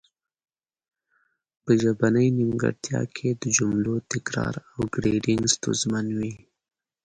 په ژبنۍ نیمګړتیا کې د جملو تکرار او ګړیدنګ ستونزمن وي